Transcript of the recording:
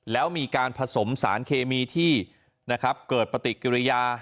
แล้วมีการผสมสารเคมีที่เกิดปฏิกิริยา